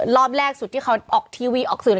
รอบแรกสุดที่เขาออกทีวีออกสื่อ